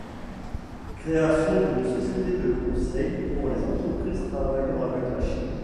Création d’une société de conseil pour les entreprises travaillant avec la Chine.